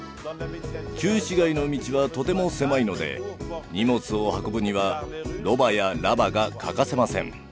旧市街の道はとても狭いので荷物を運ぶにはロバやラバが欠かせません。